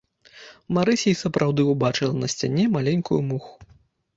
Марыся і сапраўды ўбачыла на сцяне маленькую муху.